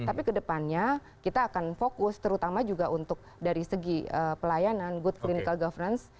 tapi kedepannya kita akan fokus terutama juga untuk dari segi pelayanan good clinical governance